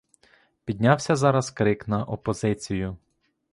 Піднявся зараз крик на опозицію.